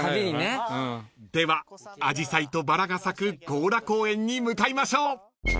［ではあじさいとバラが咲く強羅公園に向かいましょう］